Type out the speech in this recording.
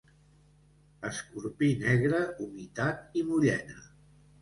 Escorpí negre, humitat i mullena.